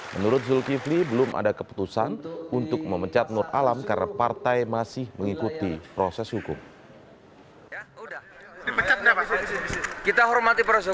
menurut zulkifli belum ada keputusan untuk memecat nur alam karena partai masih mengikuti proses hukum